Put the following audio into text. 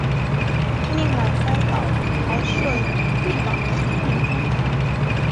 另外该报还设有地方新闻专版。